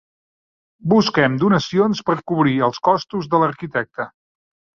Busquem donacions per cobrir els costos de l'arquitecte.